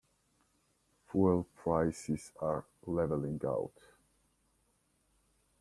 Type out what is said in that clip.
Fuel prices are leveling out.